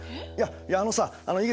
いやいやあのさあ